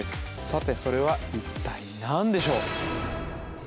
さてそれは一体何でしょう？